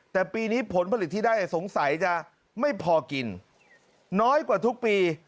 แต่ปีนี้ผลผลิตที่ได้สงสัยจะไม่พอกินน้อยกว่าทุกปี